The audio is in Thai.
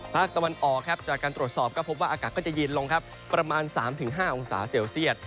ภาคตะวันออกจากการตรวจสอบก็พบว่าอากาศก็จะเย็นลงครับประมาณ๓๕องศาเซลเซียต